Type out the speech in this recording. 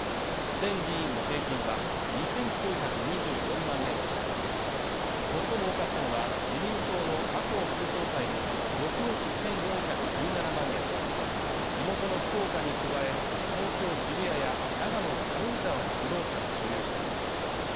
全議員の平均は２９２４万円でした最も多かったのは自民党の麻生副総裁の６億１４１７万円で地元の福岡に加え東京・渋谷や長野の軽井沢に不動産を所有しています